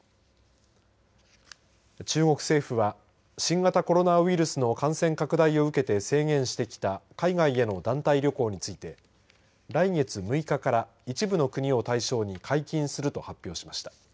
中国政府は新型コロナウイルスの感染拡大を受けて制限してきた海外への団体旅行について来月６日から一部の国を対象に解禁すると発表しました。